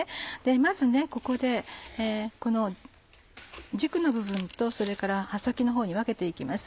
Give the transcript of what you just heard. まずここで軸の部分とそれから葉先のほうに分けて行きます。